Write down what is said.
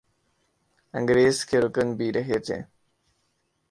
ingress کے رکن بھی رہے تھے